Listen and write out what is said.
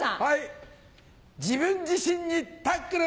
自分自身にタックル！